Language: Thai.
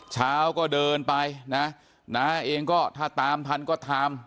เช้าก็เดินไปนะน้าเองก็ถ้าตามทันก็ทำ